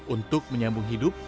untuk menyambung hidup